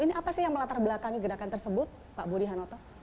ini apa sih yang melatar belakangi gerakan tersebut pak budi hanoto